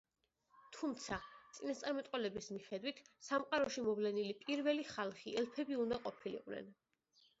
თუმცა, წინასწარმეტყველების მიხედვით, სამყაროში მოვლენილი პირველი ხალხი ელფები უნდა ყოფილიყვნენ.